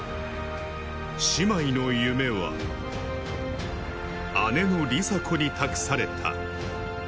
姉妹の夢は、姉の梨紗子に託された。